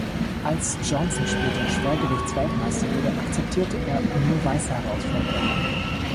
Als Johnson später Schwergewichtsweltmeister wurde, akzeptierte er nur weiße Herausforderer.